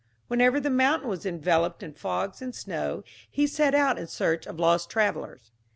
Whenever the mountain was enveloped in fogs and snow, he set out in search of lost travellers.